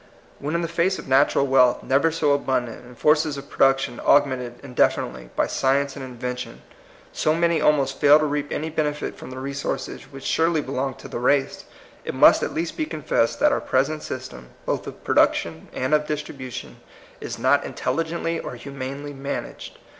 When in the face of natural wealth, never so abundant, and forces of produc tion augmented indefinitely by science and invention, so many almost fail to reap any benefit from the resources which surely belong to the race, it must at least be confessed that our present system, both of production and of distribution, is not intel ligently or humanely managed.